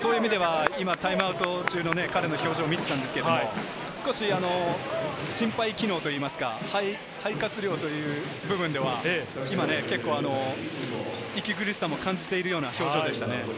今タイムアウト中の彼の表情を見ていたんですけど、少し心肺機能というか、肺活量という部分では今、結構、息苦しさを感じているような表情でしたね。